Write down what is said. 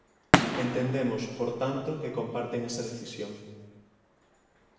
Entendemos, por tanto, que comparten esa decisión.